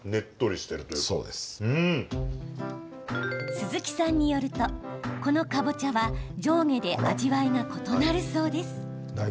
鈴木さんによるとこのかぼちゃは上下で味わいが異なるそうです。